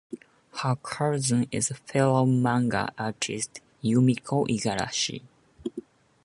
Her cousin is fellow manga artist, Yumiko Igarashi.